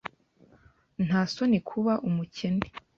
Nta soni kuba umukene.